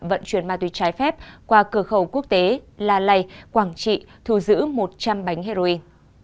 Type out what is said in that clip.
vận chuyển ma túy trái phép qua cửa khẩu quốc tế la lầy quảng trị thu giữ một trăm linh bánh heroin